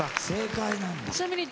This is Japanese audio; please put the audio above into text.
正解なんだ。